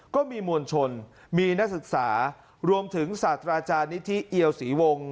ก็มีมวลชนมีนักศึกษารวมถึงศาสตราจารย์นิธิเอียวศรีวงศ